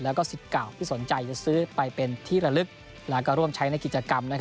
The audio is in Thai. แล้วก็สิทธิ์เก่าที่สนใจจะซื้อไปเป็นที่ระลึกแล้วก็ร่วมใช้ในกิจกรรม